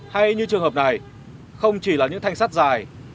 hay như trường hợp này không chỉ là những thanh sắt dài